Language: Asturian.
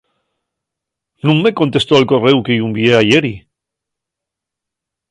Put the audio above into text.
Nun me contestó al corréu que-y unvié ayeri.